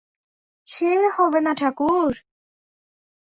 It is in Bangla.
সে হবে না ঠাকুর।